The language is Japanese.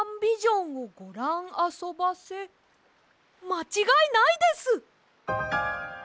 まちがいないです！